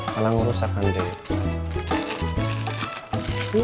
kalau merusakkan deh